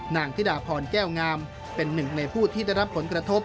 ธิดาพรแก้วงามเป็นหนึ่งในผู้ที่ได้รับผลกระทบ